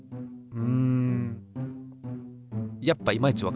うん。